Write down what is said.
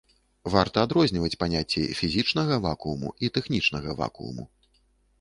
Варта адрозніваць паняцці фізічнага вакууму і тэхнічнага вакууму.